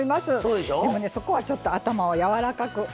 でもねそこはちょっと頭をやわらかく。